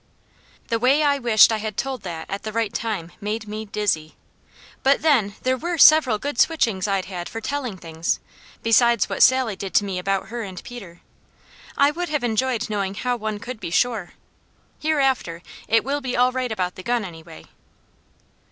The way I wished I had told that at the right time made me dizzy, but then there were several good switchings I'd had for telling things, besides what Sally did to me about her and Peter. I would have enjoyed knowing how one could be sure. Hereafter, it will be all right about the gun, anyway.